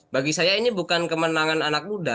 bagi saya ini bukan kemenangan anak muda